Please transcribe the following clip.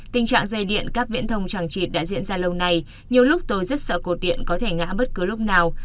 tình trạng dây điện các viễn thông chẳng chịt đã diễn ra lâu nay nhiều lúc tôi rất sợ cột điện có thể ngã bất cứ lúc nào